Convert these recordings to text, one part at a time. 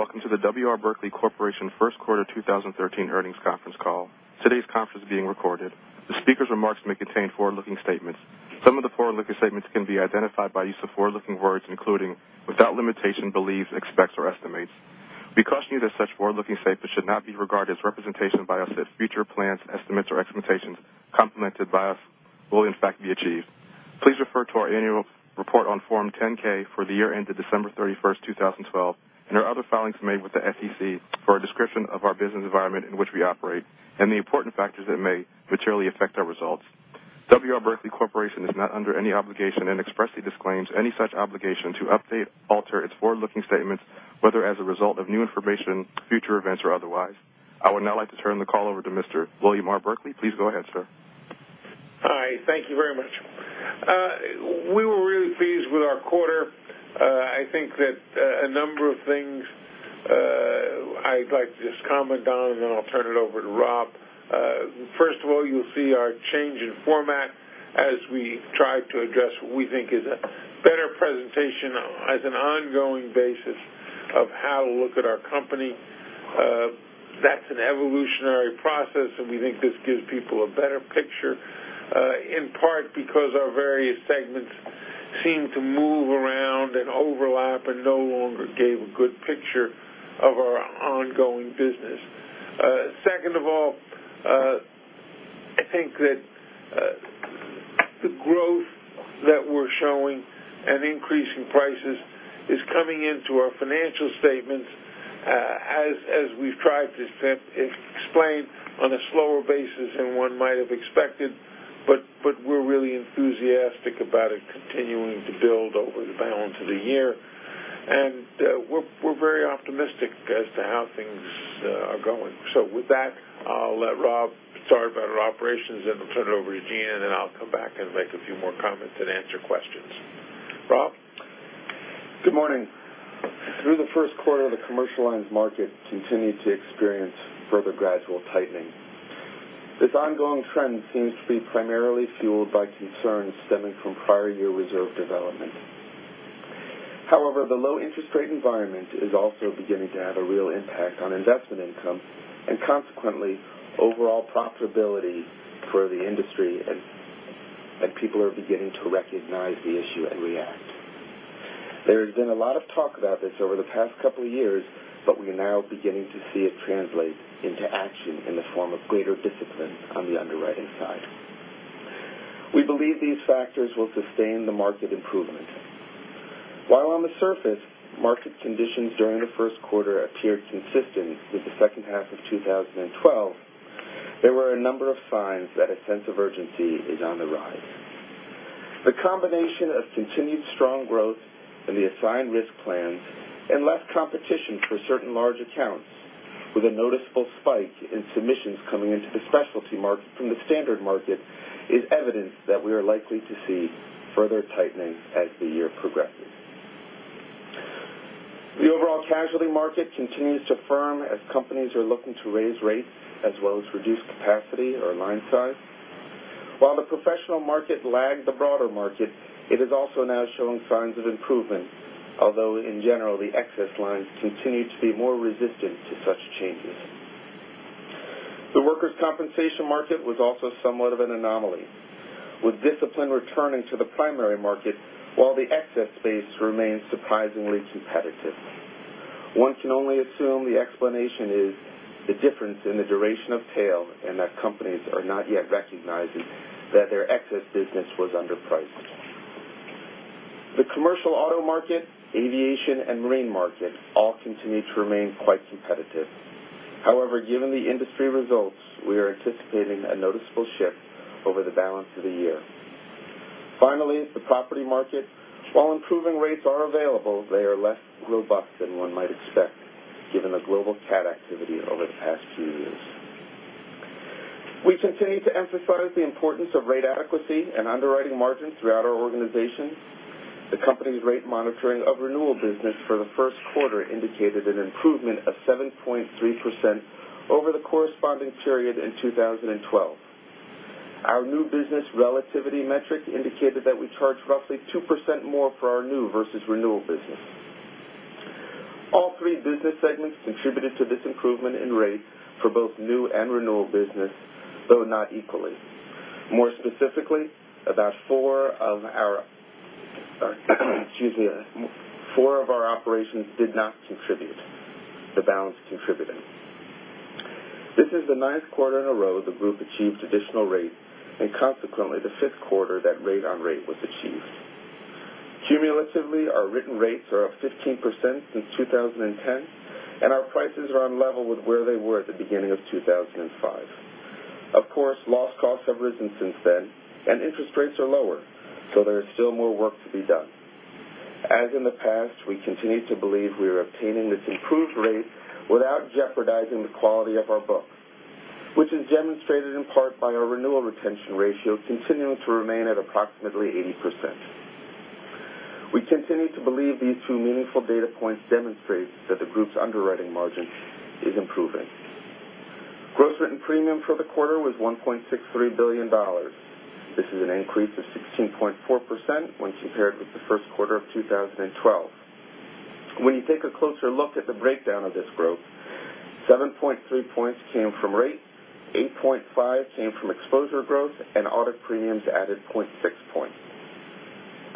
Good day. Welcome to the W. R. Berkley Corporation first quarter 2013 earnings conference call. Today's conference is being recorded. The speakers' remarks may contain forward-looking statements. Some of the forward-looking statements can be identified by use of forward-looking words, including, without limitation, believes, expects or estimates. We caution you that such forward-looking statements should not be regarded as representation by us that future plans, estimates, or expectations commented by us will in fact be achieved. Please refer to our annual report on Form 10-K for the year ended December 31st, 2012, and our other filings made with the SEC for a description of our business environment in which we operate and the important factors that may materially affect our results. W. R. Berkley Corporation is not under any obligation and expressly disclaims any such obligation to update, alter its forward-looking statements, whether as a result of new information, future events, or otherwise. I would now like to turn the call over to Mr. William R. Berkley. Please go ahead, sir. Hi. Thank you very much. We were really pleased with our quarter. I think that a number of things I'd like to just comment on. Then I'll turn it over to Rob. First of all, you'll see our change in format as we try to address what we think is a better presentation as an ongoing basis of how to look at our company. That's an evolutionary process. We think this gives people a better picture, in part because our various segments seem to move around and overlap and no longer gave a good picture of our ongoing business. Second of all, I think that the growth that we're showing and increase in prices is coming into our financial statements as we've tried to explain on a slower basis than one might have expected. We're really enthusiastic about it continuing to build over the balance of the year. We're very optimistic as to how things are going. With that, I'll let Rob start about our operations. Then we'll turn it over to Gene. Then I'll come back and make a few more comments and answer questions. Rob? Good morning. Through the first quarter, the commercial lines market continued to experience further gradual tightening. This ongoing trend seems to be primarily fueled by concerns stemming from prior year reserve development. However, the low interest rate environment is also beginning to have a real impact on investment income, and consequently, overall profitability for the industry, and people are beginning to recognize the issue and react. There has been a lot of talk about this over the past couple of years, but we are now beginning to see it translate into action in the form of greater discipline on the underwriting side. We believe these factors will sustain the market improvement. While on the surface, market conditions during the first quarter appeared consistent with the second half of 2012, there were a number of signs that a sense of urgency is on the rise. The combination of continued strong growth in the assigned risk plans and less competition for certain large accounts, with a noticeable spike in submissions coming into the specialty market from the standard market, is evidence that we are likely to see further tightening as the year progresses. The overall casualty market continues to firm as companies are looking to raise rates as well as reduce capacity or line size. While the professional market lagged the broader market, it is also now showing signs of improvement. Although, in general, the excess lines continue to be more resistant to such changes. The workers' compensation market was also somewhat of an anomaly, with discipline returning to the primary market while the excess space remains surprisingly competitive. One can only assume the explanation is the difference in the duration of tail and that companies are not yet recognizing that their excess business was underpriced. The commercial auto market, aviation, and marine market all continue to remain quite competitive. However, given the industry results, we are anticipating a noticeable shift over the balance of the year. Finally, the property market. While improving rates are available, they are less robust than one might expect given the global cat activity over the past few years. We continue to emphasize the importance of rate adequacy and underwriting margins throughout our organization. The company's rate monitoring of renewal business for the first quarter indicated an improvement of 7.3% over the corresponding period in 2012. Our new business relativity metric indicated that we charged roughly 2% more for our new versus renewal business. All three business segments contributed to this improvement in rates for both new and renewal business, though not equally. More specifically, about four of our operations did not contribute. The balance contributed. This is the ninth quarter in a row the group achieved additional rates. Consequently, the fifth quarter that rate on rate was achieved. Cumulatively, our written rates are up 15% since 2010, and our prices are on level with where they were at the beginning of 2005. Of course, loss costs have risen since then, and interest rates are lower, so there is still more work to be done. As in the past, we continue to believe we are obtaining this improved rate without jeopardizing the quality of our book, which is demonstrated in part by our renewal retention ratio continuing to remain at approximately 80%. We continue to believe these two meaningful data points demonstrate that the group's underwriting margin is improving. Gross written premium for the quarter was $1.63 billion. This is an increase of 16.4% when compared with the first quarter of 2012. When you take a closer look at the breakdown of this growth, 7.3 points came from rate, 8.5 came from exposure growth, and audit premiums added 0.6 points.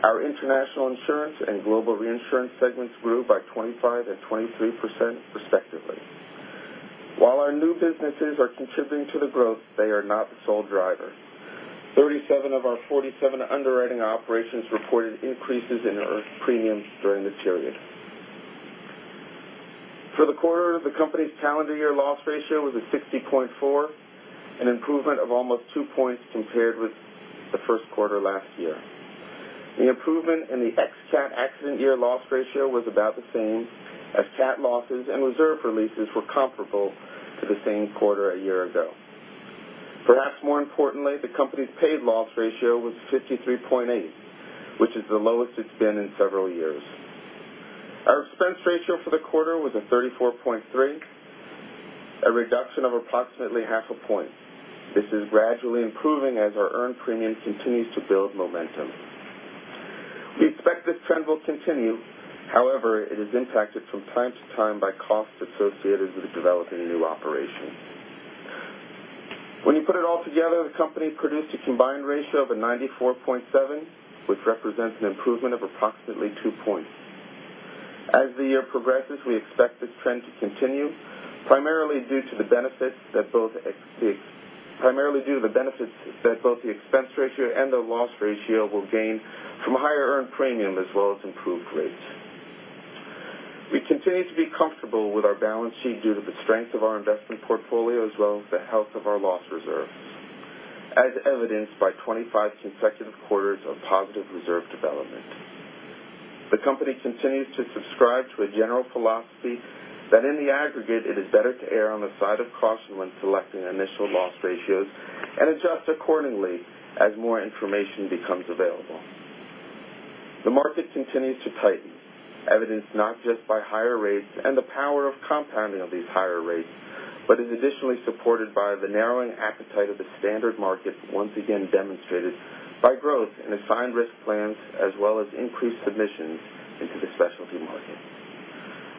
Our International Insurance and Global Reinsurance segments grew by 25% and 23%, respectively. While our new businesses are contributing to the growth, they are not the sole driver. 37 of our 47 underwriting operations reported increases in earned premiums during the period. For the quarter, the company's calendar year loss ratio was at 60.4, an improvement of almost two points compared with the first quarter last year. The improvement in the ex-cat accident year loss ratio was about the same, as cat losses and reserve releases were comparable to the same quarter a year ago. Perhaps more importantly, the company's paid loss ratio was 53.8, which is the lowest it's been in several years. Our expense ratio for the quarter was at 34.3, a reduction of approximately half a point. This is gradually improving as our earned premium continues to build momentum. We expect this trend will continue. However, it is impacted from time to time by costs associated with developing a new operation. When you put it all together, the company produced a combined ratio of a 94.7, which represents an improvement of approximately two points. As the year progresses, we expect this trend to continue, primarily due to the benefits that both the expense ratio and the loss ratio will gain from a higher earned premium, as well as improved rates. We continue to be comfortable with our balance sheet due to the strength of our investment portfolio, as well as the health of our loss reserves, as evidenced by 25 consecutive quarters of positive reserve development. The company continues to subscribe to a general philosophy that, in the aggregate, it is better to err on the side of caution when selecting initial loss ratios and adjust accordingly as more information becomes available. The market continues to tighten, evidenced not just by higher rates and the power of compounding of these higher rates, but is additionally supported by the narrowing appetite of the standard markets, once again demonstrated by growth in assigned risk plans, as well as increased submissions into the specialty market.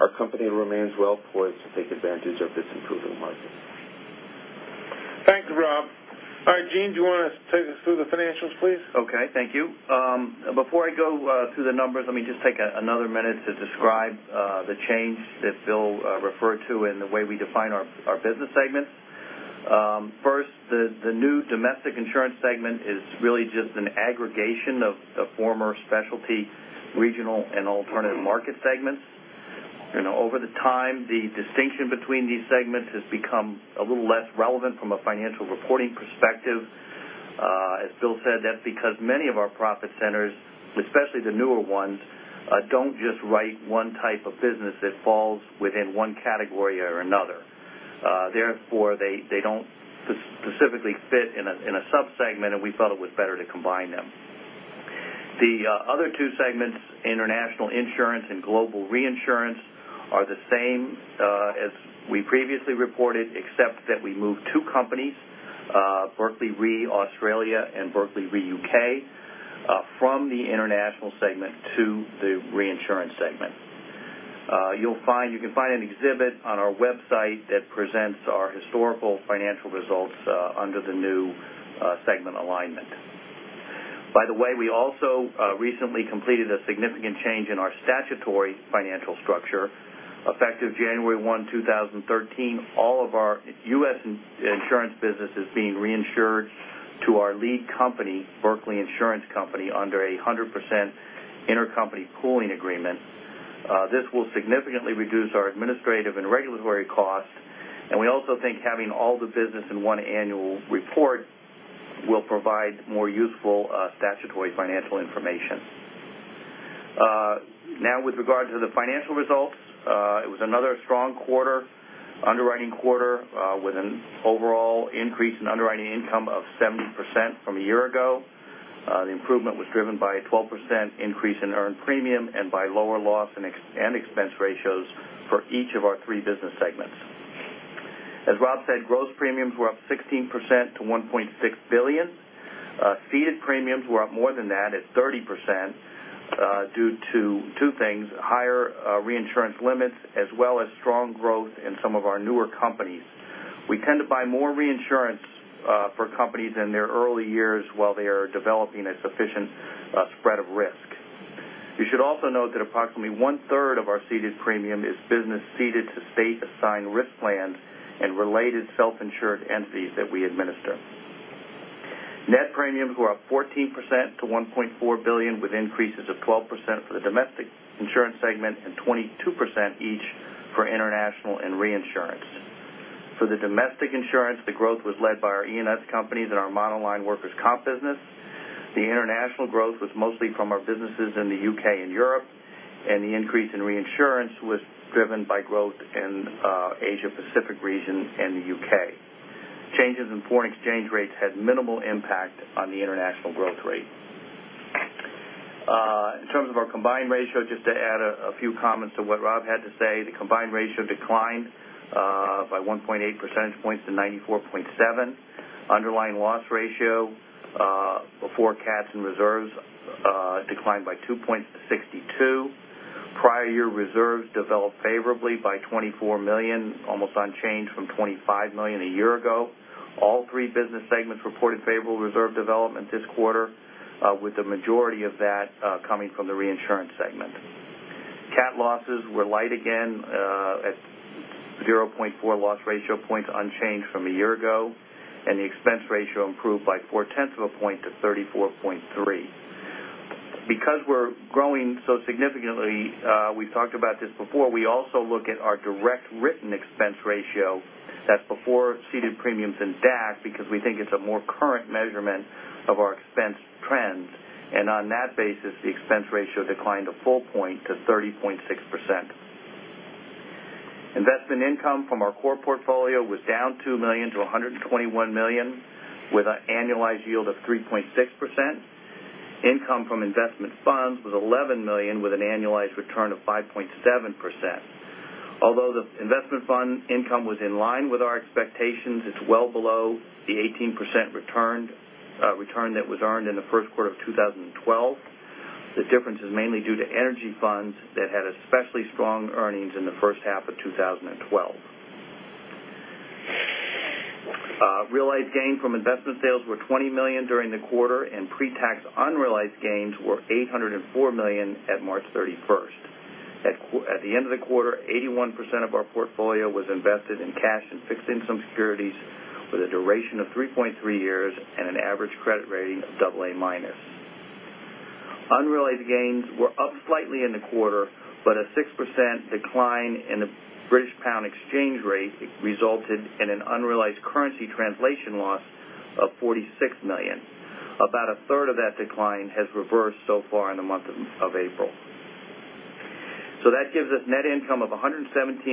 Our company remains well-poised to take advantage of this improving market. Thank you, Rob. All right, Gene, do you want to take us through the financials, please? Okay. Thank you. Before I go through the numbers, let me just take another minute to describe the change that Bill referred to in the way we define our business segments. First, the new Domestic Insurance segment is really just an aggregation of the former specialty, regional, and alternative market segments. Over time, the distinction between these segments has become a little less relevant from a financial reporting perspective. As Bill said, that's because many of our profit centers, especially the newer ones, don't just write one type of business that falls within one category or another. They don't specifically fit in a subsegment, and we felt it was better to combine them. The other two segments, International Insurance and Global Reinsurance, are the same as we previously reported, except that we moved two companies, Berkley Re Australia and Berkley Re UK, from the International segment to the reinsurance segment. You can find an exhibit on our website that presents our historical financial results under the new segment alignment. We also recently completed a significant change in our statutory financial structure. Effective January 1, 2013, all of our U.S. insurance business is being reinsured to our lead company, Berkley Insurance Company, under a 100% intercompany pooling agreement. This will significantly reduce our administrative and regulatory costs, and we also think having all the business in one annual report will provide more useful statutory financial information. With regard to the financial results, it was another strong underwriting quarter with an overall increase in underwriting income of 70% from a year ago. The improvement was driven by a 12% increase in earned premium and by lower loss and expense ratios for each of our three business segments. As Rob said, gross premiums were up 16% to $1.6 billion. Ceded premiums were up more than that at 30% due to two things: higher reinsurance limits, as well as strong growth in some of our newer companies. We tend to buy more reinsurance for companies in their early years while they are developing a sufficient spread of risk. You should also note that approximately one-third of our ceded premium is business ceded to state-assigned risk plans and related self-insured entities that we administer. Net premiums were up 14% to $1.4 billion, with increases of 12% for the Domestic Insurance segment and 22% each for International and Global Reinsurance. For the Domestic Insurance, the growth was led by our E&S companies and our monoline workers' comp business. The International growth was mostly from our businesses in the U.K. and Europe, and the increase in Global Reinsurance was driven by growth in Asia Pacific region and the U.K. Changes in foreign exchange rates had minimal impact on the International growth rate. In terms of our combined ratio, just to add a few comments to what Rob had to say, the combined ratio declined by 1.8 percentage points to 94.7. Underlying loss ratio for cats and reserves declined by two points to 62. Prior year reserves developed favorably by $24 million, almost unchanged from $25 million a year ago. All three business segments reported favorable reserve development this quarter, with the majority of that coming from the reinsurance segment. cat losses were light again at 0.4 loss ratio points, unchanged from a year ago, and the expense ratio improved by four-tenths of a point to 34.3%. We're growing so significantly, we've talked about this before, we also look at our direct written expense ratio. That's before ceded premiums in DAC, because we think it's a more current measurement of our expense trends. On that basis, the expense ratio declined a full point to 30.6%. Investment income from our core portfolio was down $2 million to $121 million with an annualized yield of 3.6%. Income from investment funds was $11 million with an annualized return of 5.7%. Although the investment fund income was in line with our expectations, it's well below the 18% return that was earned in the first quarter of 2012. The difference is mainly due to energy funds that had especially strong earnings in the first half of 2012. Realized gain from investment sales were $20 million during the quarter, and pre-tax unrealized gains were $804 million at March 31st. At the end of the quarter, 81% of our portfolio was invested in cash and fixed income securities with a duration of 3.3 years and an average credit rating of AA-. Unrealized gains were up slightly in the quarter, but a 6% decline in the British pound exchange rate resulted in an unrealized currency translation loss of 46 million. About a third of that decline has reversed so far in the month of April. That gives us net income of $117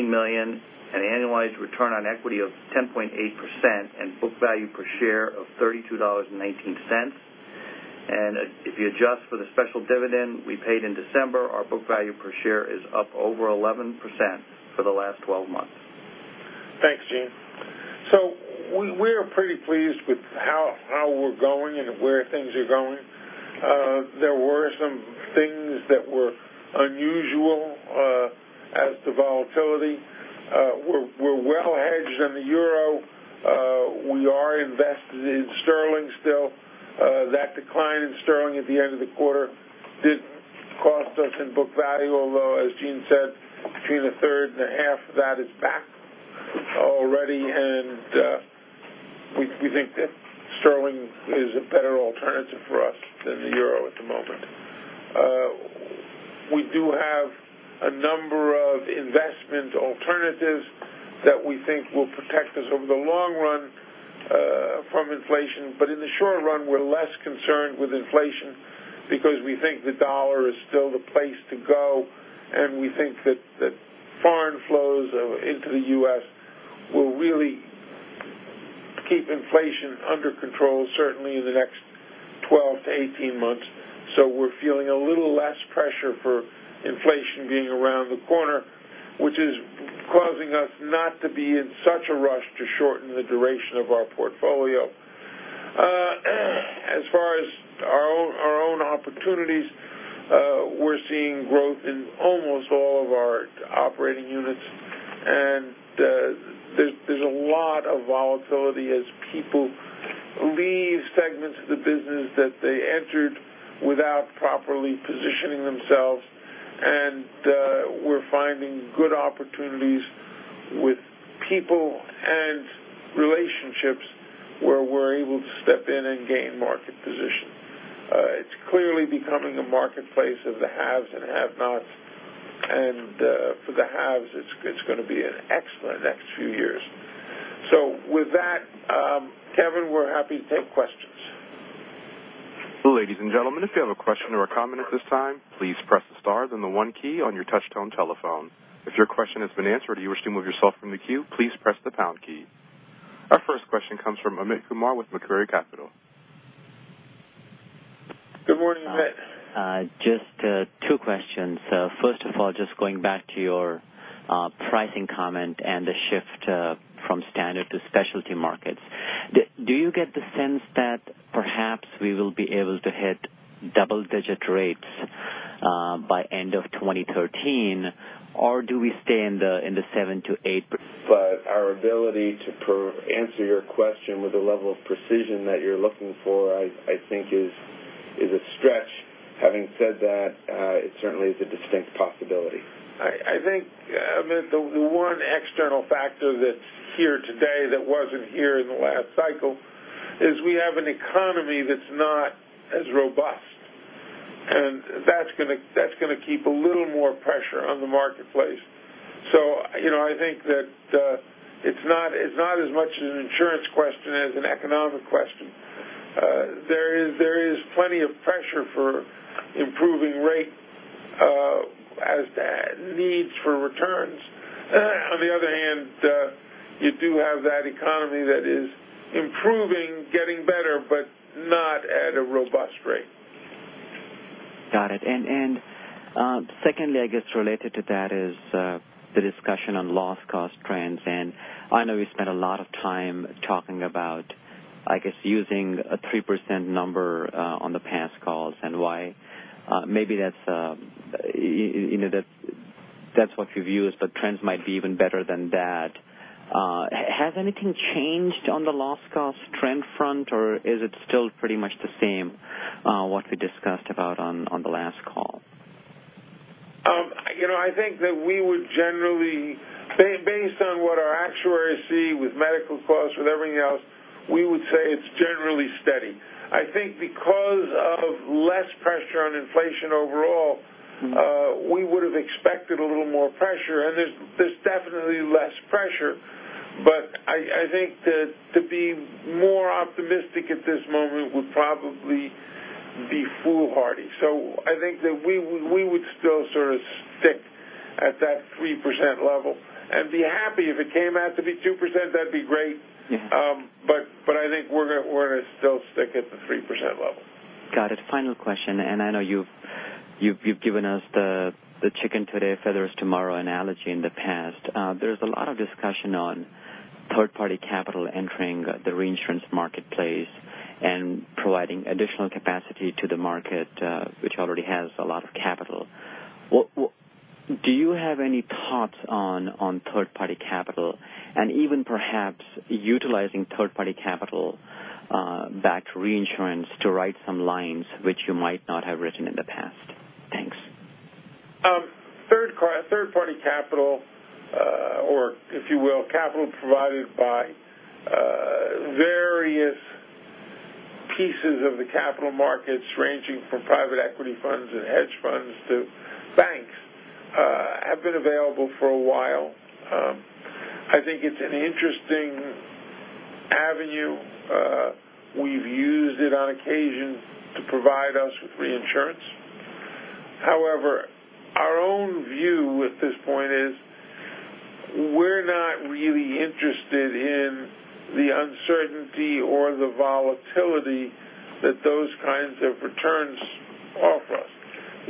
million, an annualized return on equity of 10.8%, and book value per share of $32.19. If you adjust for the special dividend we paid in December, our book value per share is up over 11% for the last 12 months. Thanks, Gene. We're pretty pleased with how we're going and where things are going. There were some things that were unusual as to volatility. We're well hedged in the euro. We are invested in sterling still. That decline in sterling at the end of the quarter did cost us in book value, although, as Gene said, between a third and a half of that is back already. We think that sterling is a better alternative for us than the euro at the moment. We do have a number of investment alternatives that we think will protect us over the long run from inflation. In the short run, we're less concerned with inflation because we think the dollar is still the place to go, and we think that foreign flows into the U.S. will really keep inflation under control, certainly in the next 12 to 18 months. We're feeling a little less pressure for inflation being around the corner, which is causing us not to be in such a rush to shorten the duration of our portfolio. As far as our own opportunities, we're seeing growth in almost all of our operating units, and there's a lot of volatility as people leave segments of the business that they entered without properly positioning themselves. We're finding good opportunities with people and relationships where we're able to step in and gain market position. It's clearly becoming a marketplace of the haves and have-nots, and for the haves, it's going to be an excellent next few years. With that, Kevin, we're happy to take questions. Ladies and gentlemen, if you have a question or a comment at this time, please press the star then one key on your touch tone telephone. If your question has been answered or you wish to remove yourself from the queue, please press the pound key. Our first question comes from Amit Kumar with Macquarie Capital. Good morning, Amit. Just two questions. First of all, just going back to your pricing comment and the shift from standard to specialty markets. Do you get the sense that perhaps we will be able to hit double-digit rates by end of 2013, or do we stay in the 7%-8%? Our ability to answer your question with the level of precision that you're looking for, I think is a stretch. Having said that, it certainly is a distinct possibility. I think, Amit, the one external factor that's here today that wasn't here in the last cycle is we have an economy that's not as robust, and that's going to keep a little more pressure on the marketplace. I think that it's not as much an insurance question as an economic question. There is plenty of pressure for improving rate Has that needs for returns. On the other hand, you do have that economy that is improving, getting better, but not at a robust rate. Got it. Secondly, I guess related to that is the discussion on loss cost trends. I know we spent a lot of time talking about, I guess, using a 3% number on the past calls and why maybe that's what you've used, but trends might be even better than that. Has anything changed on the loss cost trend front or is it still pretty much the same, what we discussed about on the last call? I think that we would generally, based on what our actuaries see with medical costs, with everything else, we would say it's generally steady. I think because of less pressure on inflation overall- we would've expected a little more pressure, there's definitely less pressure. I think that to be more optimistic at this moment would probably be foolhardy. I think that we would still sort of stick at that 3% level and be happy. If it came out to be 2%, that'd be great. Yeah. I think we're going to still stick at the 3% level. Got it. Final question, I know you've given us the chicken today, feathers tomorrow analogy in the past. There's a lot of discussion on third-party capital entering the reinsurance marketplace and providing additional capacity to the market, which already has a lot of capital. Do you have any thoughts on third-party capital and even perhaps utilizing third-party capital backed reinsurance to write some lines which you might not have written in the past? Thanks. Third-party capital, or if you will, capital provided by various pieces of the capital markets ranging from private equity funds and hedge funds to banks, have been available for a while. I think it's an interesting avenue. We've used it on occasion to provide us with reinsurance. However, our own view at this point is we're not really interested in the uncertainty or the volatility that those kinds of returns offer us.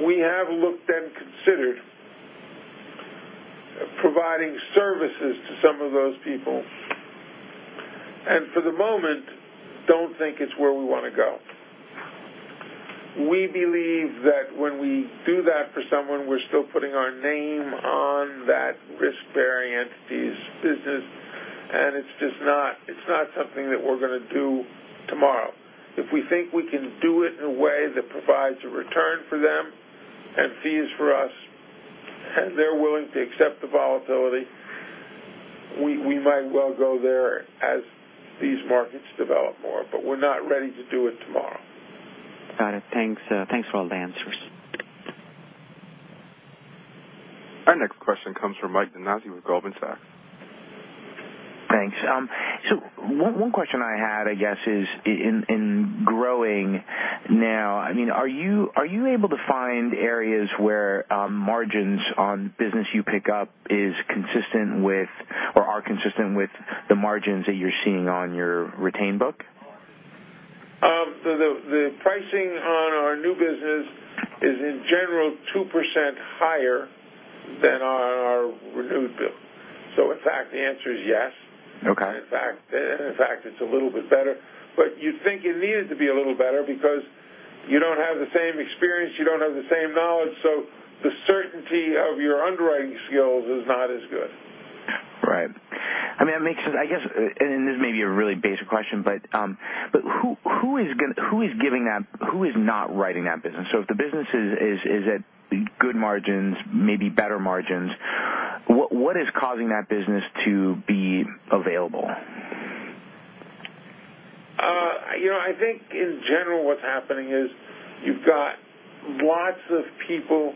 We have looked and considered providing services to some of those people, and for the moment, don't think it's where we want to go. We believe that when we do that for someone, we're still putting our name on that risk-bearing entity's business, and it's not something that we're going to do tomorrow. If we think we can do it in a way that provides a return for them and fees for us, and they're willing to accept the volatility, we might well go there as these markets develop more. We're not ready to do it tomorrow. Got it. Thanks for all the answers. Our next question comes from Michael Nannizzi with Goldman Sachs. Thanks. One question I had, I guess, is in growing now, are you able to find areas where margins on business you pick up are consistent with the margins that you're seeing on your retained book? The pricing on our new business is in general 2% higher than on our renewed book. In fact, the answer is yes. Okay. In fact, it's a little bit better, you'd think it needed to be a little better because you don't have the same experience, you don't have the same knowledge. The certainty of your underwriting skills is not as good. Right. I mean, that makes sense. I guess, and this may be a really basic question, but who is not writing that business? If the business is at good margins, maybe better margins, what is causing that business to be available? I think in general what's happening is you've got lots of people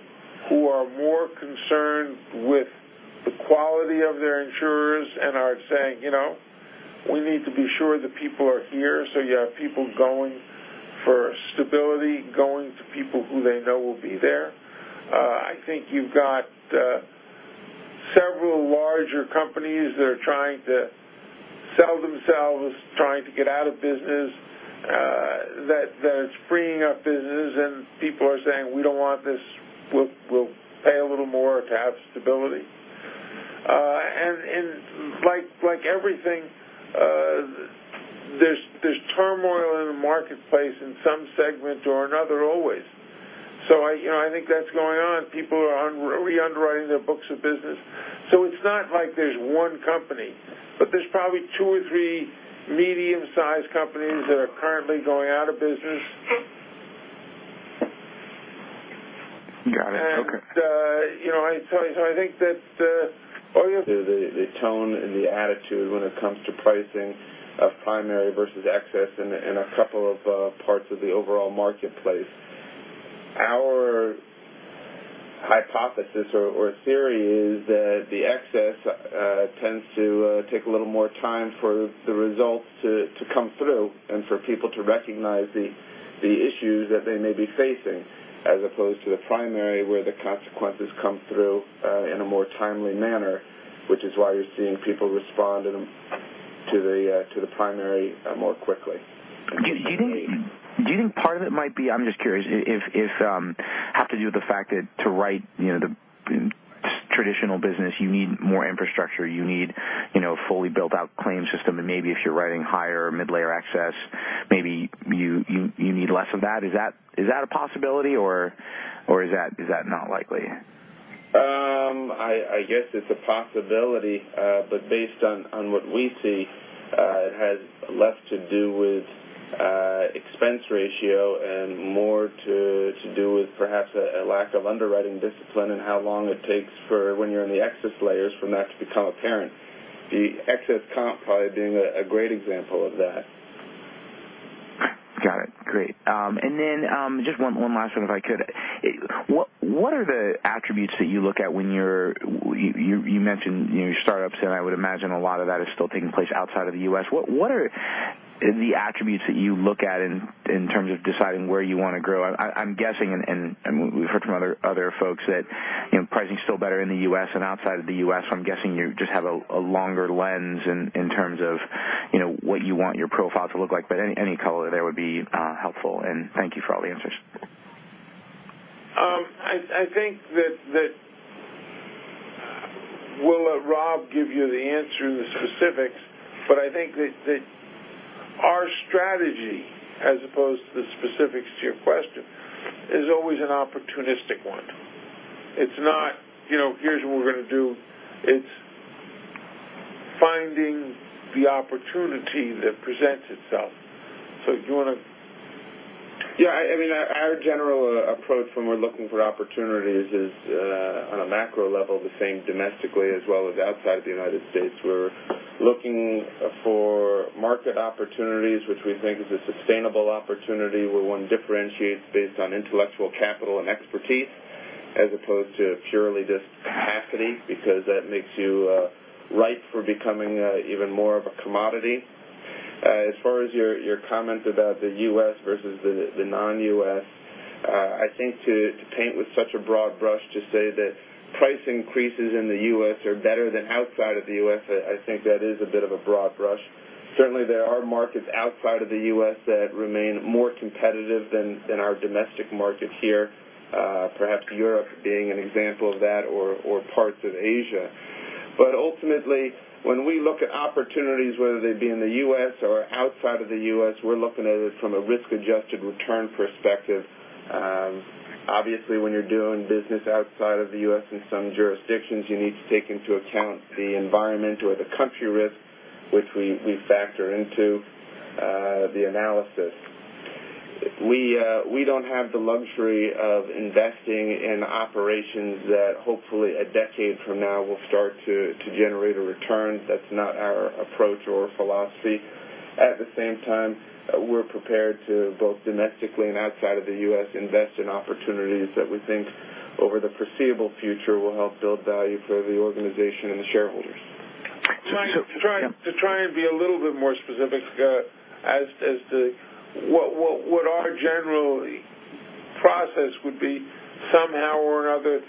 who are more concerned with the quality of their insurers and are saying, "We need to be sure the people are here." You have people going for stability, going to people who they know will be there. I think you've got several larger companies that are trying to sell themselves, trying to get out of business, that it's freeing up business and people are saying, "We don't want this. We'll pay a little more to have stability." Like everything, there's turmoil in the marketplace in some segment or another, always. I think that's going on. People are re-underwriting their books of business. It's not like there's one company, but there's probably two or three medium-sized companies that are currently going out of business. Got it. Okay. I think. The tone and the attitude when it comes to pricing of primary versus excess in a couple of parts of the overall marketplace. Our hypothesis or theory is that Excess tends to take a little more time for the results to come through and for people to recognize the issues that they may be facing, as opposed to the primary, where the consequences come through in a more timely manner, which is why you're seeing people respond to the primary more quickly. Do you think part of it might be, I'm just curious, have to do with the fact that to write the traditional business, you need more infrastructure, you need a fully built-out claims system, and maybe if you're writing higher mid-layer excess, maybe you need less of that. Is that a possibility or is that not likely? I guess it's a possibility, based on what we see, it has less to do with expense ratio and more to do with perhaps a lack of underwriting discipline and how long it takes for when you're in the excess layers for that to become apparent. The excess comp probably being a great example of that. Got it. Great. Just one last one if I could. What are the attributes that you look at when you're, you mentioned your startups, I would imagine a lot of that is still taking place outside of the U.S. What are the attributes that you look at in terms of deciding where you want to grow? I'm guessing, we've heard from other folks that pricing is still better in the U.S. than outside of the U.S. I'm guessing you just have a longer lens in terms of what you want your profile to look like. Any color there would be helpful, thank you for all the answers. I think that, we'll let Rob give you the answer in the specifics, I think that our strategy, as opposed to the specifics to your question, is always an opportunistic one. It's not, here's what we're going to do. It's finding the opportunity that presents itself. Do you want to Our general approach when we're looking for opportunities is, on a macro level, the same domestically as well as outside the U.S. We're looking for market opportunities which we think is a sustainable opportunity where one differentiates based on intellectual capital and expertise, as opposed to purely just capacity, because that makes you ripe for becoming even more of a commodity. As far as your comment about the U.S. versus the non-U.S., I think to paint with such a broad brush to say that price increases in the U.S. are better than outside of the U.S., I think that is a bit of a broad brush. Certainly, there are markets outside of the U.S. that remain more competitive than our domestic market here. Perhaps Europe being an example of that or parts of Asia. Ultimately, when we look at opportunities, whether they be in the U.S. or outside of the U.S., we're looking at it from a risk-adjusted return perspective. Obviously, when you're doing business outside of the U.S. in some jurisdictions, you need to take into account the environment or the country risk, which we factor into the analysis. We don't have the luxury of investing in operations that hopefully a decade from now will start to generate a return. That's not our approach or philosophy. At the same time, we're prepared to, both domestically and outside of the U.S., invest in opportunities that we think over the foreseeable future will help build value for the organization and the shareholders. To try and be a little bit more specific as to what our general process would be. Somehow or another,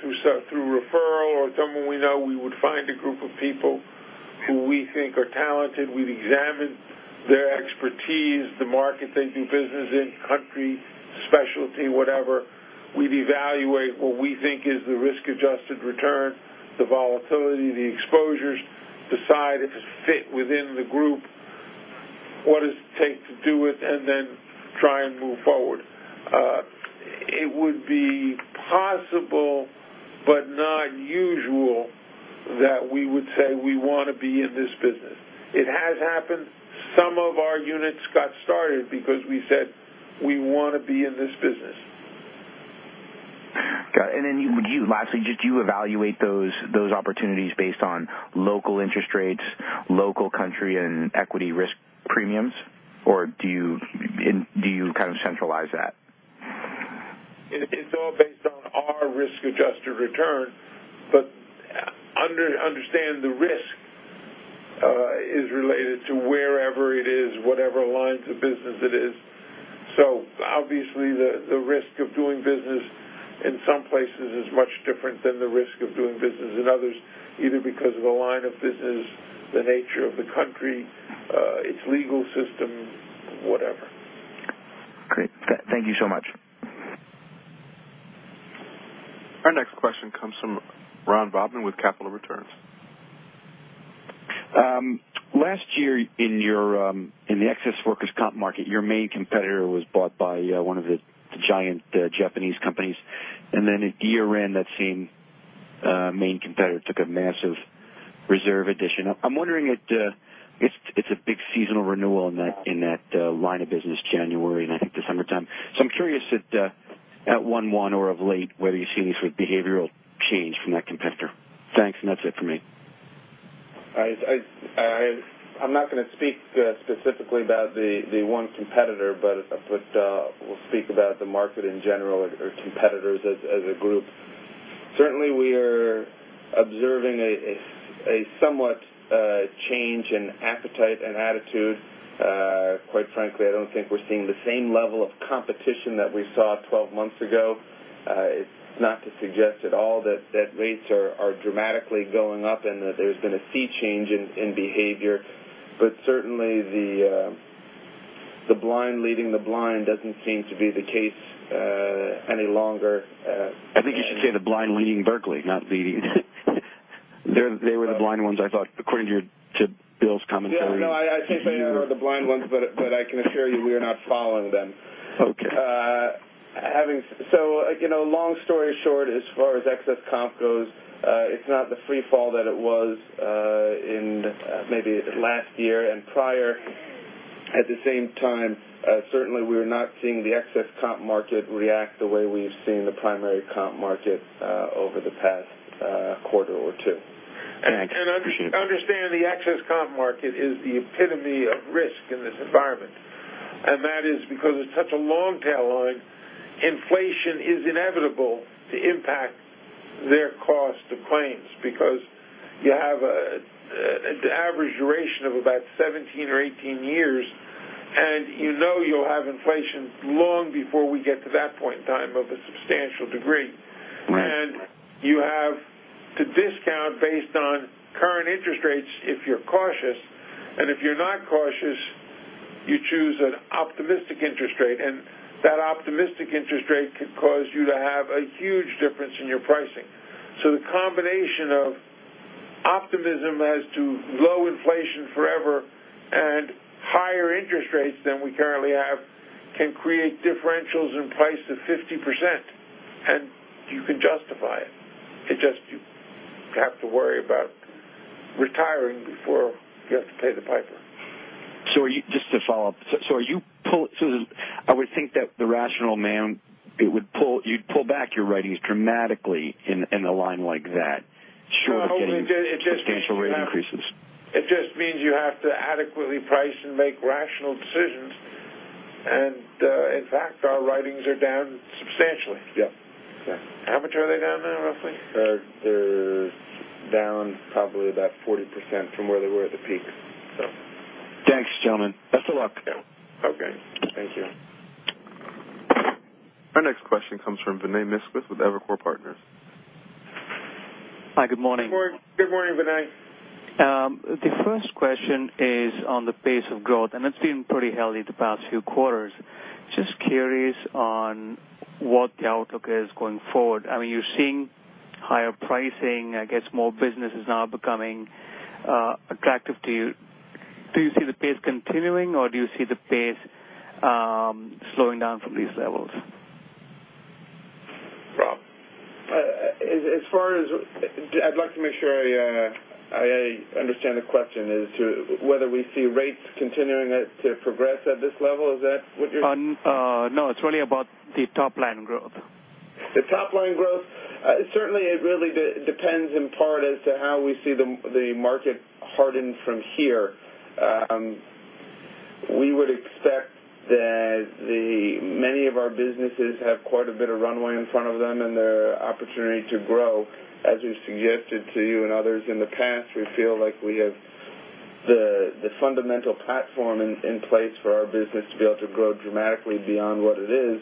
through referral or someone we know, we would find a group of people who we think are talented. We'd examine their expertise, the market they do business in, country, specialty, whatever. We'd evaluate what we think is the risk-adjusted return, the volatility, the exposures, decide if it fit within the group, what does it take to do it, and then try and move forward. It would be possible but not usual that we would say we want to be in this business. It has happened. Some of our units got started because we said we want to be in this business. Got it. Then would you lastly, did you evaluate those opportunities based on local interest rates, local country, and equity risk premiums, or do you kind of centralize that? It's all based on our risk-adjusted return. Understand the risk is related to wherever it is, whatever lines of business it is. Obviously the risk of doing business in some places is much different than the risk of doing business in others, either because of a line of business, the nature of the country, its legal system, whatever. Great. Thank you so much. Our next question comes from Ron Bobman with Capital Returns. Last year in the excess workers comp market, your main competitor was bought by one of the giant Japanese companies. Then at year-end, that same main competitor took a massive reserve addition. I'm wondering, it's a big seasonal renewal in that line of business, January and I think the summertime. I'm curious at one or of late, whether you've seen any sort of behavioral change from that competitor. Thanks, and that's it for me. I'm not going to speak specifically about the one competitor, but we'll speak about the market in general or competitors as a group. Certainly, we are observing a somewhat change in appetite and attitude. Quite frankly, I don't think we're seeing the same level of competition that we saw 12 months ago. It's not to suggest at all that rates are dramatically going up and that there's been a sea change in behavior. Certainly, the blind leading the blind doesn't seem to be the case any longer. I think you should say the blind leading Berkley, not leading. They were the blind ones, I thought, according to Bill's commentary. Yeah. No, I think they are the blind ones. I can assure you we are not following them. Okay. Long story short, as far as excess comp goes, it's not the free fall that it was in maybe last year and prior. At the same time, certainly we're not seeing the excess comp market react the way we've seen the primary comp market over the past quarter or two. Thanks. Appreciate it. Understand, the excess comp market is the epitome of risk in this environment, and that is because it's such a long tail line. Inflation is inevitable to impact their cost of claims because you have an average duration of about 17 or 18 years, and you know you'll have inflation long before we get to that point in time of a substantial degree. You have to discount based on current interest rates if you're cautious. If you're not cautious, you choose an optimistic interest rate, and that optimistic interest rate could cause you to have a huge difference in your pricing. The combination of optimism as to low inflation forever and higher interest rates than we currently have can create differentials in price of 50%, and you can justify it. You have to worry about retiring before you have to pay the piper. Just to follow up. I would think that the rational man, you'd pull back your writings dramatically in a line like that, short of getting substantial rate increases. It just means you have to adequately price and make rational decisions. In fact, our writings are down substantially. Yep. Yeah. How much are they down now, roughly? They're down probably about 40% from where they were at the peak. Thanks, gentlemen. Best of luck. Okay. Thank you. Our next question comes from Vinay Misquith with Evercore Partners. Hi. Good morning. Good morning, Vinay. The first question is on the pace of growth, it's been pretty healthy the past few quarters. Just curious on what the outlook is going forward. You're seeing higher pricing, I guess more business is now becoming attractive to you. Do you see the pace continuing, or do you see the pace slowing down from these levels? Rob. I'd like to make sure I understand the question. Is it whether we see rates continuing to progress at this level? No, it's really about the top-line growth. The top-line growth. Certainly, it really depends in part as to how we see the market harden from here. We would expect that many of our businesses have quite a bit of runway in front of them and the opportunity to grow. As we've suggested to you and others in the past, we feel like we have the fundamental platform in place for our business to be able to grow dramatically beyond what it is.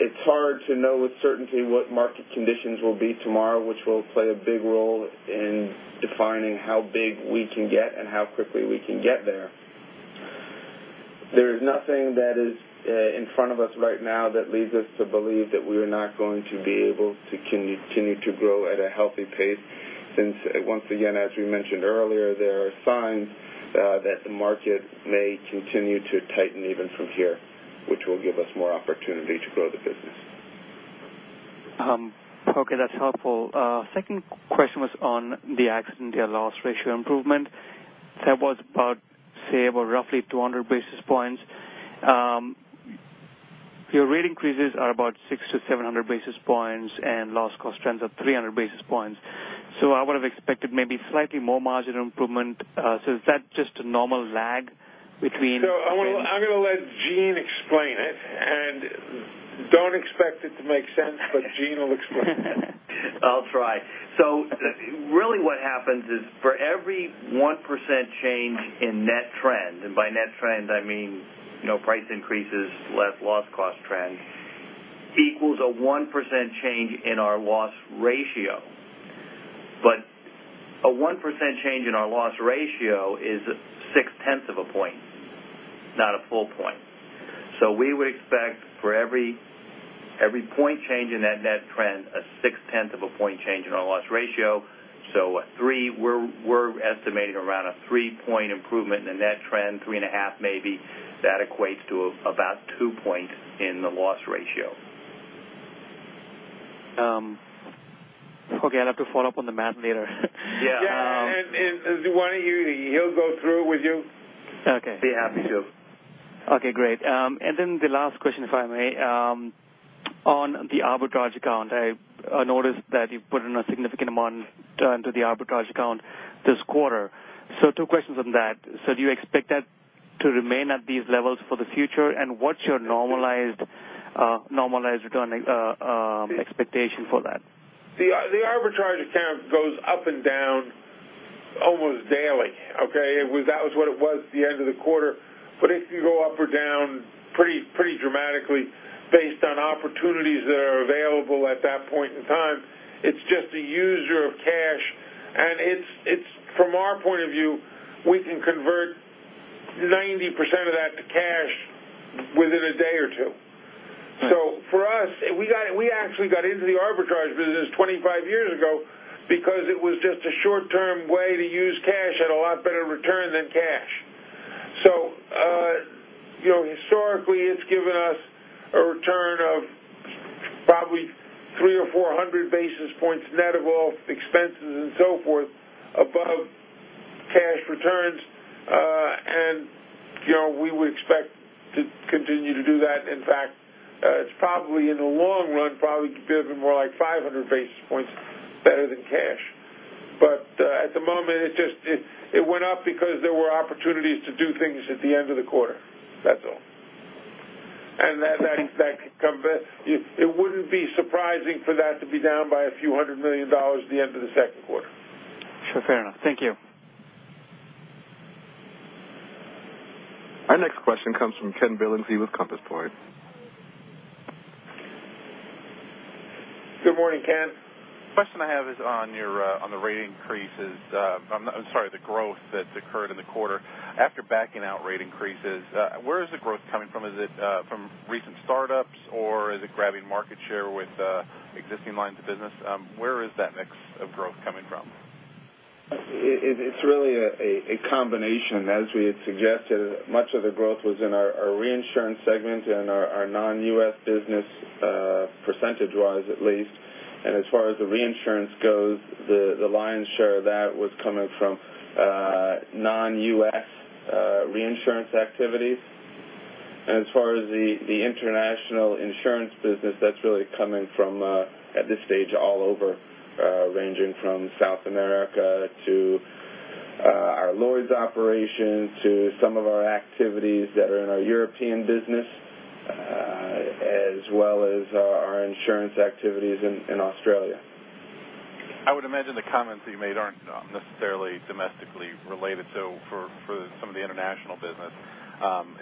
It's hard to know with certainty what market conditions will be tomorrow, which will play a big role in defining how big we can get and how quickly we can get there. There is nothing that is in front of us right now that leads us to believe that we are not going to be able to continue to grow at a healthy pace since, once again, as we mentioned earlier, there are signs that the market may continue to tighten even from here, which will give us more opportunity to grow the business. Okay. That's helpful. Second question was on the accident year loss ratio improvement. That was about, say, about roughly 200 basis points. Your rate increases are about 600-700 basis points and loss cost trends are 300 basis points. I would've expected maybe slightly more marginal improvement. Is that just a normal lag between- I'm going to let Gene explain it, and don't expect it to make sense, but Gene will explain it. I'll try. Really what happens is for every 1% change in net trend, and by net trend I mean price increases less loss cost trend, equals a 1% change in our loss ratio. A 1% change in our loss ratio is six-tenths of a point, not a full point. We would expect for every point change in that net trend, a six-tenths of a point change in our loss ratio. We're estimating around a three-point improvement in the net trend, three and a half maybe. That equates to about two points in the loss ratio. Okay. I'll have to follow up on the math later. Yeah. Yeah. One of you, he'll go through it with you. Okay. Be happy to. Okay, great. The last question, if I may. On the arbitrage account, I noticed that you've put in a significant amount into the arbitrage account this quarter. Two questions on that. Do you expect that to remain at these levels for the future? What's your normalized return expectation for that? The arbitrage account goes up and down almost daily. Okay? That was what it was at the end of the quarter. It can go up or down pretty dramatically based on opportunities that are available at that point in time. It's just a user of cash, and from our point of view, we can convert 90% of that to cash within a day or two. For us, we actually got into the arbitrage business 25 years ago because it was just a short-term way to use cash at a lot better return than cash. Historically, it's given us a return of probably 300 or 400 basis points net of all expenses and so forth above cash returns. We would expect to continue to do that. In fact, it's probably, in the long run, probably be a bit more like 500 basis points better than cash. At the moment, it went up because there were opportunities to do things at the end of the quarter. That's all. That could come back. It wouldn't be surprising for that to be down by a few hundred million dollars at the end of the second quarter. Sure. Fair enough. Thank you. Our next question comes from Ken Billingsley with Compass Point. Good morning, Ken. The question I have is on the rate increases. I'm sorry, the growth that's occurred in the quarter. After backing out rate increases, where is the growth coming from? Is it from recent startups, or is it grabbing market share with existing lines of business? Where is that mix of growth coming from? It's really a combination. As we had suggested, much of the growth was in our Reinsurance segment and our non-U.S. business, percentage-wise at least. As far as the reinsurance goes, the lion's share of that was coming from non-U.S. reinsurance activities. As far as the International Insurance business, that's really coming from, at this stage, all over, ranging from South America to our Lloyd's operation to some of our activities that are in our European business as well as our insurance activities in Australia. I would imagine the comments that you made aren't necessarily domestically related. For some of the international business,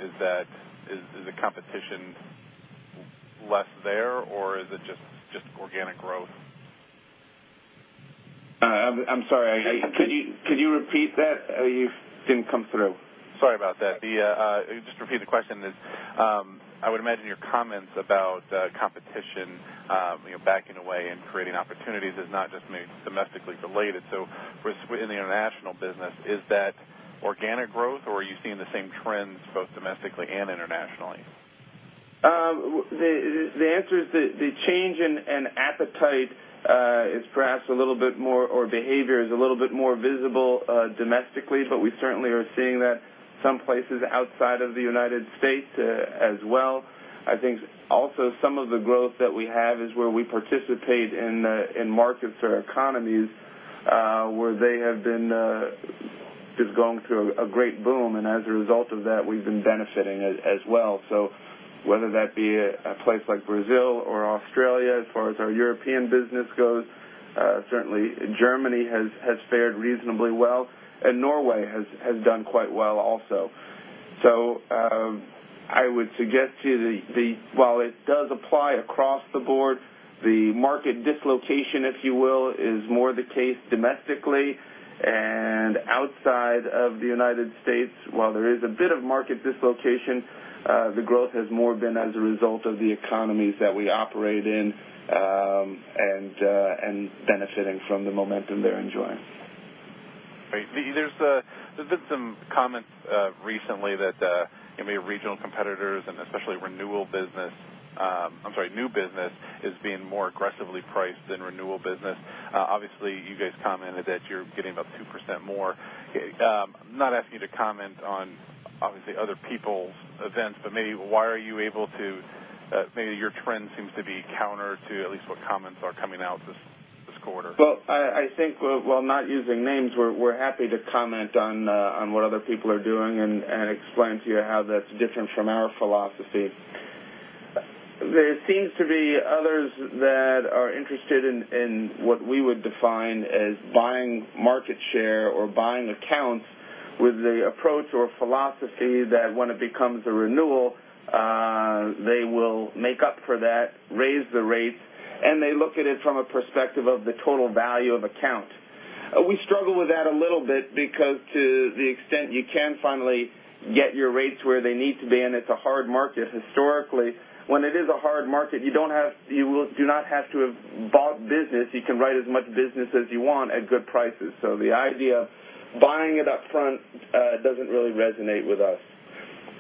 is the competition less there, or is it just organic growth? I'm sorry. Could you repeat that? You didn't come through. Sorry about that. Just to repeat the question is, I would imagine your comments about competition backing away and creating opportunities is not just domestically related. In the international business, is that organic growth, or are you seeing the same trends both domestically and internationally? The answer is the change in appetite is perhaps a little bit more, or behavior is a little bit more visible domestically, but we certainly are seeing that some places outside of the United States as well. I think also some of the growth that we have is where we participate in markets or economies where they have been just going through a great boom. As a result of that, we've been benefiting as well. Whether that be a place like Brazil or Australia as far as our European business goes. Certainly Germany has fared reasonably well, and Norway has done quite well also. I would suggest to you while it does apply across the board, the market dislocation, if you will, is more the case domestically. Outside of the United States, while there is a bit of market dislocation, the growth has more been as a result of the economies that we operate in, and benefiting from the momentum they're enjoying. Great. There's been some comments recently that maybe regional competitors and especially renewal business, I'm sorry, new business is being more aggressively priced than renewal business. Obviously, you guys commented that you're getting about 2% more. I'm not asking you to comment on, obviously, other people's events, but maybe why are you able to, maybe your trend seems to be counter to at least what comments are coming out this quarter. Well, I think while not using names, we're happy to comment on what other people are doing and explain to you how that's different from our philosophy. There seems to be others that are interested in what we would define as buying market share or buying accounts with the approach or philosophy that when it becomes a renewal, they will make up for that, raise the rates, and they look at it from a perspective of the total value of account. We struggle with that a little bit because to the extent you can finally get your rates where they need to be, and it's a hard market historically. When it is a hard market, you do not have to have bought business. You can write as much business as you want at good prices. The idea of buying it up front doesn't really resonate with us.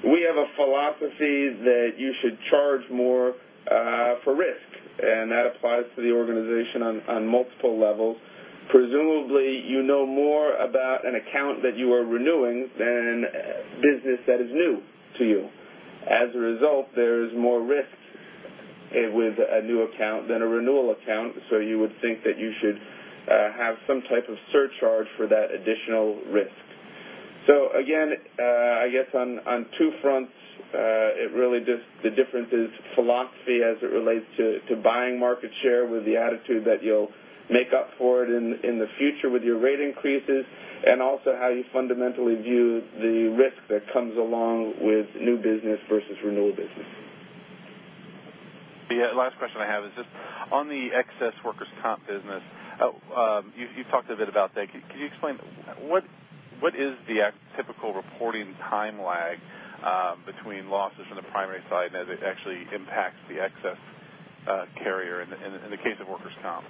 We have a philosophy that you should charge more for risk, that applies to the organization on multiple levels. Presumably, you know more about an account that you are renewing than business that is new to you. As a result, there is more risk with a new account than a renewal account, you would think that you should have some type of surcharge for that additional risk. Again, I guess on two fronts, the difference is philosophy as it relates to buying market share with the attitude that you'll make up for it in the future with your rate increases, and also how you fundamentally view the risk that comes along with new business versus renewal business. The last question I have is just on the excess workers' compensation business. You talked a bit about that. Can you explain what is the typical reporting time lag between losses on the primary side, and as it actually impacts the excess carrier in the case of workers' comp?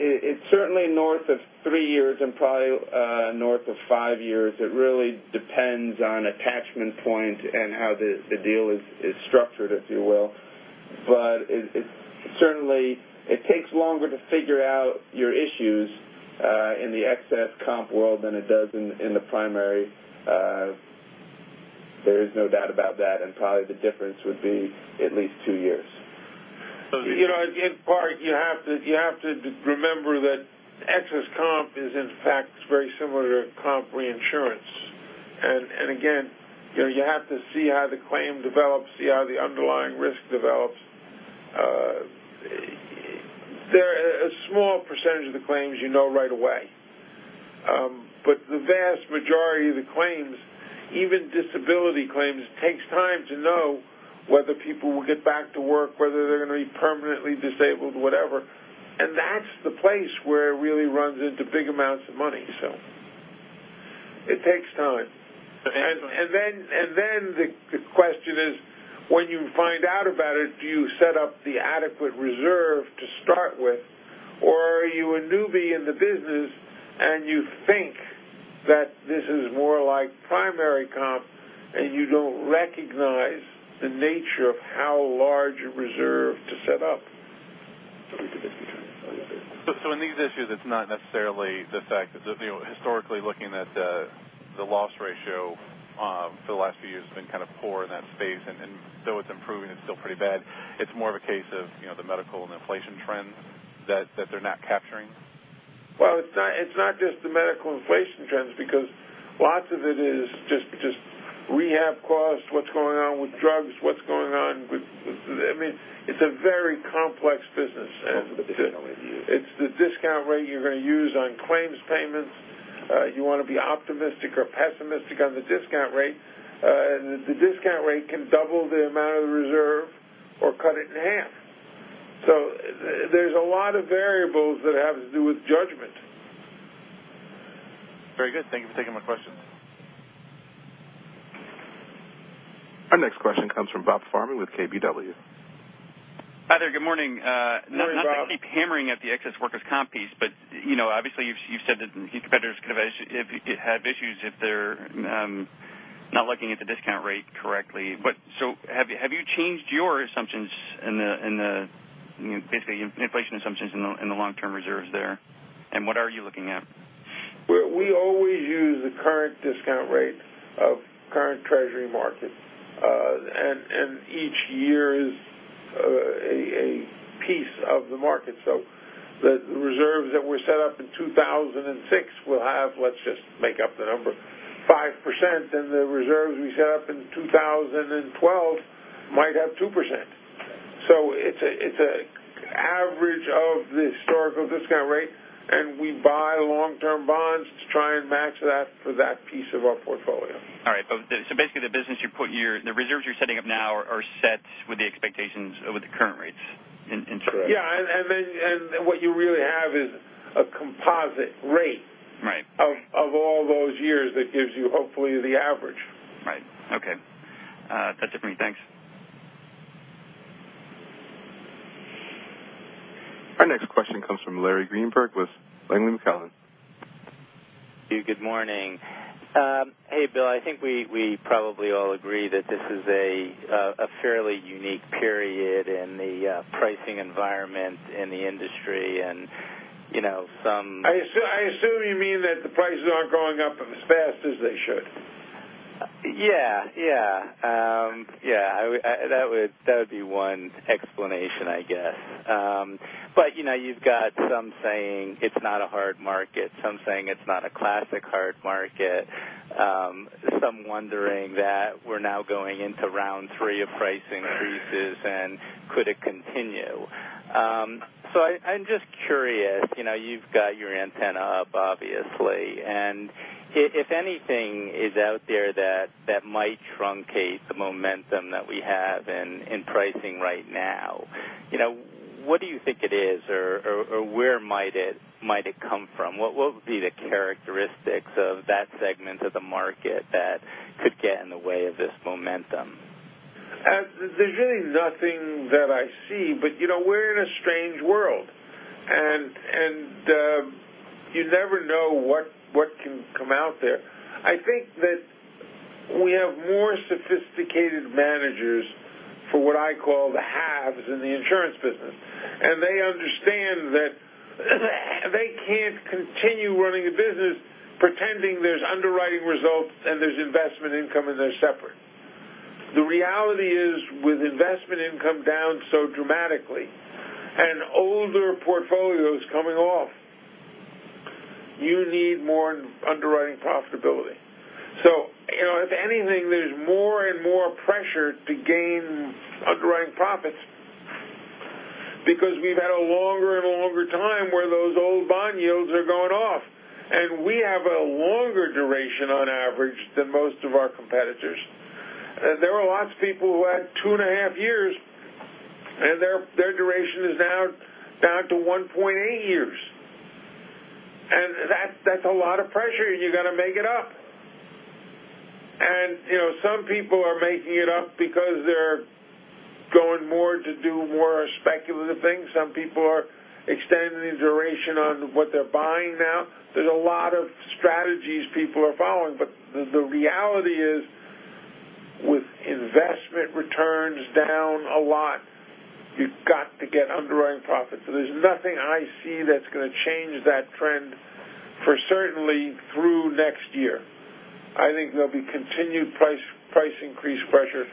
It's certainly north of three years and probably north of five years. It really depends on attachment point and how the deal is structured, if you will. It takes longer to figure out your issues in the excess comp world than it does in the primary. There is no doubt about that, probably the difference would be at least two years. In part, you have to remember that excess comp is, in fact, very similar to comp reinsurance. Again, you have to see how the claim develops, see how the underlying risk develops. A small percentage of the claims you know right away. The vast majority of the claims, even disability claims, takes time to know whether people will get back to work, whether they're going to be permanently disabled, whatever. That's the place where it really runs into big amounts of money. It takes time. Absolutely. The question is, when you find out about it, do you set up the adequate reserve to start with? Or are you a newbie in the business and you think that this is more like primary comp, and you don't recognize the nature of how large a reserve to set up? In these issues, it's not necessarily the fact that, historically looking at the loss ratio for the last few years has been kind of poor in that space, and though it's improving, it's still pretty bad. It's more of a case of the medical and inflation trends that they're not capturing? Well, it's not just the medical inflation trends, because lots of it is just rehab costs, what's going on with drugs. It's a very complex business. It's the discount rate you're going to use on claims payments. You want to be optimistic or pessimistic on the discount rate. The discount rate can double the amount of the reserve or cut it in half. There's a lot of variables that have to do with judgment. Very good. Thank you for taking my questions. Our next question comes from Robert Farmer with KBW. Hi there. Good morning. Morning, Bob. Not to keep hammering at the excess workers' compensation piece, obviously, you've said that competitors could have issues if they're not looking at the discount rate correctly. Have you changed your assumptions, basically inflation assumptions in the long-term reserves there? What are you looking at? We always use the current discount rate of current treasury market. Each year is a piece of the market. The reserves that were set up in 2006 will have, let's just make up the number, 5%, and the reserves we set up in 2012 might have 2%. It's an average of the historical discount rate, and we buy long-term bonds to try and match that for that piece of our portfolio. Basically, the reserves you're setting up now are set with the expectations of the current rates in treasury. Yeah. What you really have is a composite rate. Right of all those years that gives you, hopefully, the average. Right. Okay. That's it for me. Thanks. Our next question comes from Larry Greenberg with Langley McAlenney. Good morning. Hey, Bill, I think we probably all agree that this is a fairly unique period in the pricing environment in the industry. I assume you mean that the prices aren't going up as fast as they should? Yeah. That would be one explanation, I guess. You've got some saying it's not a hard market, some saying it's not a classic hard market, some wondering that we're now going into round three of price increases, and could it continue. I'm just curious. You've got your antenna up, obviously. If anything is out there that might truncate the momentum that we have in pricing right now, what do you think it is or where might it come from? What would be the characteristics of that segment of the market that could get in the way of this momentum? There's really nothing that I see, but we're in a strange world. You never know what can come out there. I think that we have more sophisticated managers for what I call the haves in the insurance business. They understand that they can't continue running a business pretending there's underwriting results and there's investment income, and they're separate. The reality is, with investment income down so dramatically and older portfolios coming off, you need more underwriting profitability. If anything, there's more and more pressure to gain underwriting profits because we've had a longer and longer time where those old bond yields are going off, and we have a longer duration on average than most of our competitors. There are lots of people who had two and a half years, and their duration is now down to 1.8 years. That's a lot of pressure, and you got to make it up. Some people are making it up because they're going more to do more speculative things. Some people are extending the duration on what they're buying now. There's a lot of strategies people are following, but the reality is, with investment returns down a lot, you've got to get underwriting profits. There's nothing I see that's going to change that trend for certainly through next year. I think there'll be continued price increase pressure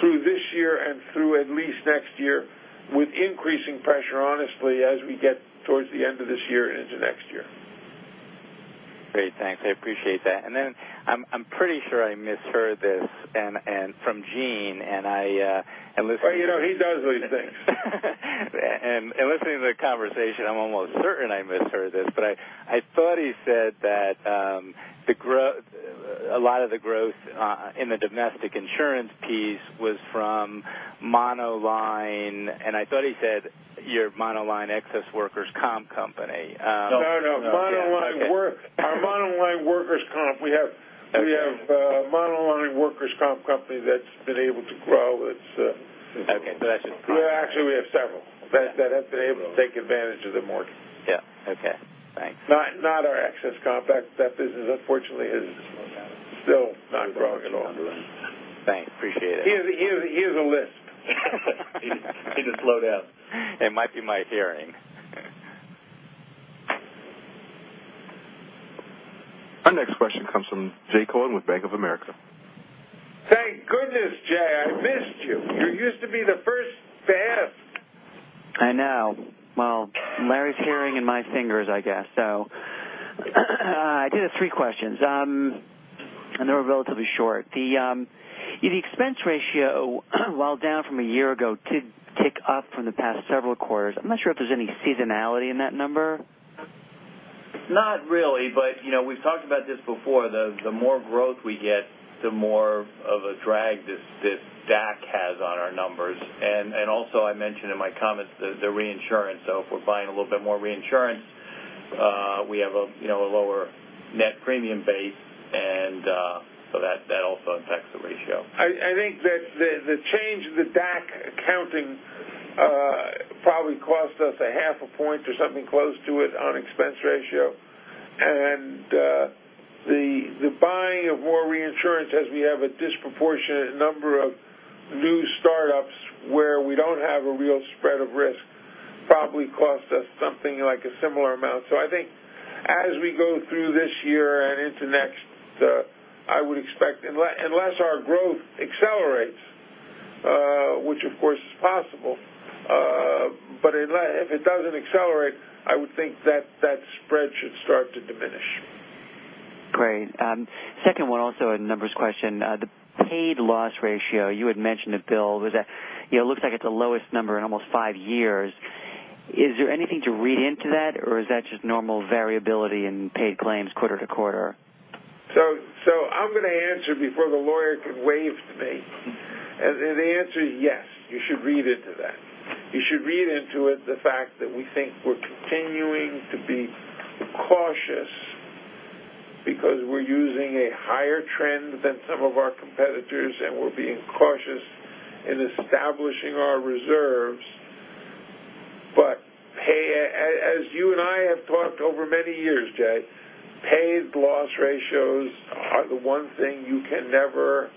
through this year and through at least next year, with increasing pressure, honestly, as we get towards the end of this year into next year. Great. Thanks. I appreciate that. I'm pretty sure I misheard this from Gene. Well, he does these things. Listening to the conversation, I'm almost certain I misheard this, but I thought he said that a lot of the growth in the domestic insurance segment was from monoline, and I thought he said your monoline excess workers' compensation company. No, our monoline workers' comp. We have a monoline workers' comp company that's been able to grow. Okay. Gotcha. Actually, we have several that have been able to take advantage of the market. Yeah. Okay. Thanks. Not our excess comp. That business, unfortunately, is still not growing at all. Thanks. Appreciate it. He has a lisp. You need to slow down. It might be my hearing. Our next question comes from Jay Cohen with Bank of America. Thank goodness, Jay, I missed you. You used to be the first to ask. I know. Well, Larry's hearing and my fingers, I guess. I do have three questions. They were relatively short. The expense ratio, while down from a year ago, did tick up from the past several quarters. I'm not sure if there's any seasonality in that number. Not really. We've talked about this before. The more growth we get, the more of a drag this DAC has on our numbers. I mentioned in my comments, the reinsurance. If we're buying a little bit more reinsurance, we have a lower net premium base. That also impacts the ratio. I think that the change in the DAC accounting probably cost us a half a point or something close to it on expense ratio. The buying of more reinsurance as we have a disproportionate number of new startups where we don't have a real spread of risk probably cost us something like a similar amount. I think as we go through this year and into next, I would expect, unless our growth accelerates, which of course is possible. If it doesn't accelerate, I would think that spread should start to diminish. Great. Second one, also a numbers question. The paid loss ratio, you had mentioned it, Bill. It looks like it's the lowest number in almost five years. Is there anything to read into that, or is that just normal variability in paid claims quarter-to-quarter? I'm going to answer before the lawyer can wave to me. The answer is yes, you should read into that. You should read into it the fact that we think we're continuing to be cautious because we're using a higher trend than some of our competitors, and we're being cautious in establishing our reserves. As you and I have talked over many years, Jay, paid loss ratios are the one thing you can never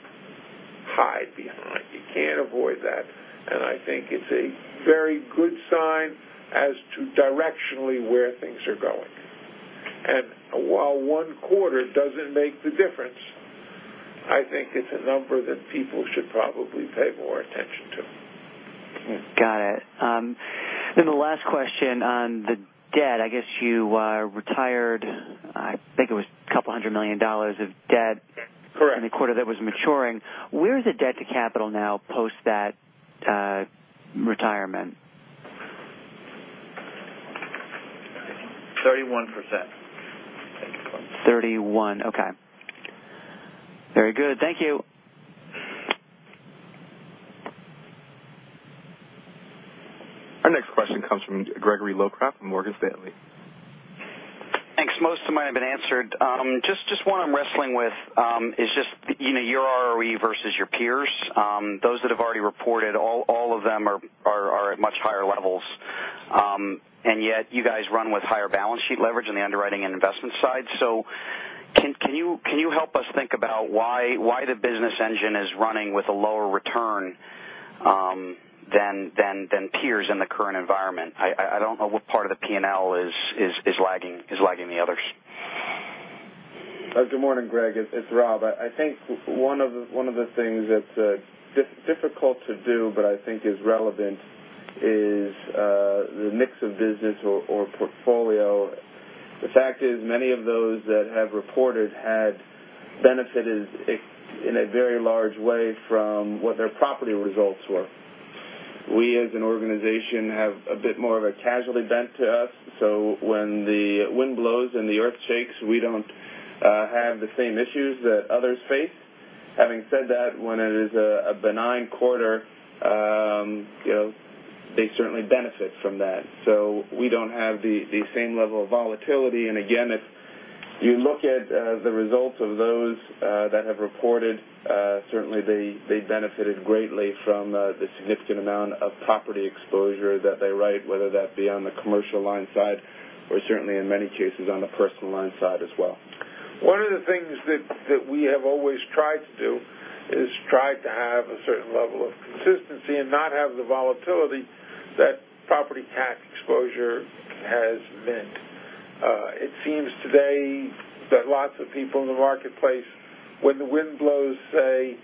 hide behind. You can't avoid that, and I think it's a very good sign as to directionally where things are going. While one quarter doesn't make the difference, I think it's a number that people should probably pay more attention to. Got it. The last question on the debt. I guess you retired, I think it was $200 million of debt- Correct in the quarter that was maturing. Where is the debt to capital now post that retirement? 31%. 31. Okay. Very good. Thank you. Our next question comes from Gregory Locraft from Morgan Stanley. Thanks. Most of mine have been answered. Just one I'm wrestling with is just your ROE versus your peers. Those that have already reported, all of them are at much higher levels. Yet you guys run with higher balance sheet leverage on the underwriting and investment side. Can you help us think about why the business engine is running with a lower return than peers in the current environment? I don't know what part of the P&L is lagging the others. Good morning, Greg. It's Rob. I think one of the things that's difficult to do, but I think is relevant, is the mix of business or portfolio. The fact is, many of those that have reported had benefited in a very large way from what their property results were. We, as an organization, have a bit more of a casualty bent to us, so when the wind blows and the earth shakes, we don't have the same issues that others face. Having said that, when it is a benign quarter, they certainly benefit from that. We don't have the same level of volatility. Again, if you look at the results of those that have reported, certainly they benefited greatly from the significant amount of property exposure that they write, whether that be on the commercial line side or certainly in many cases, on the personal line side as well. One of the things that we have always tried to do is tried to have a certain level of consistency and not have the volatility that property cat exposure has meant. It seems today that lots of people in the marketplace, when the wind blows, say,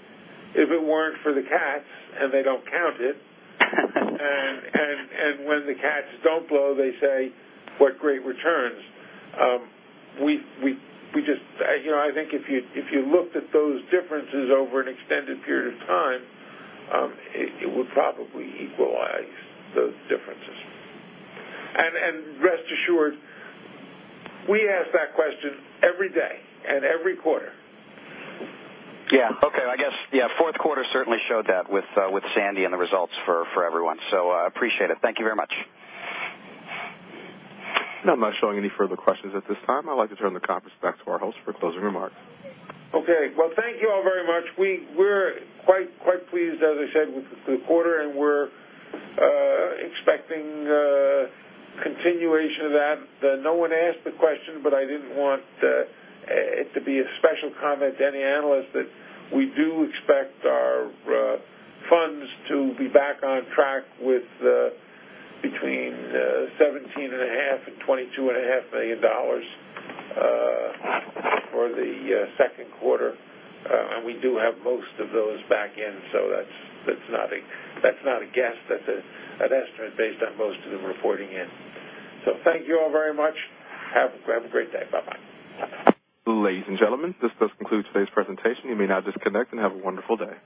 "If it weren't for the cats," and they don't count it. When the cats don't blow, they say, "What great returns." I think if you looked at those differences over an extended period of time, it would probably equalize those differences. Rest assured, we ask that question every day and every quarter. Okay. I guess, yeah, fourth quarter certainly showed that with Sandy and the results for everyone. Appreciate it. Thank you very much. I'm not showing any further questions at this time. I'd like to turn the conference back to our host for closing remarks. Okay. Well, thank you all very much. We're quite pleased, as I said, with the quarter, and we're expecting a continuation of that. No one asked the question, I didn't want it to be a special comment to any analyst that we do expect our funds to be back on track with between $17.5 and $22.5 million for the second quarter. We do have most of those back in, that's not a guess. That's an estimate based on most of them reporting in. Thank you all very much. Have a great day. Bye-bye. Ladies and gentlemen, this does conclude today's presentation. You may now disconnect and have a wonderful day.